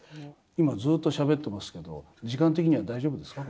今ずっとしゃべってますけど時間的には大丈夫ですか？